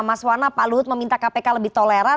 mas wana pak luhut meminta kpk lebih toleran